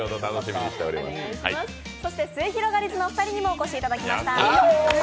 そしてすゑひろがりずのお二人にもお越しいただきました。